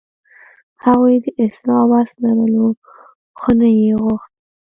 هغوی د اصلاح وس لرلو، خو نه یې غوښت.